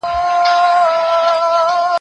که وخت وي، سبزیحات پاختم؟